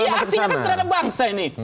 iya artinya kan terhadap bangsa ini